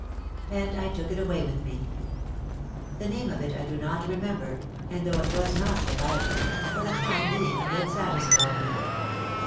And I took it away with me. The name of it I do not remember and though it was not the Bible, for the time being it satisfied me.